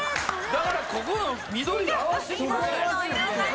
だからここの緑と合わせてきましたやん。